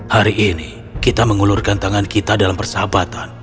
hari ini kita mengulurkan tangan kita dalam persahabatan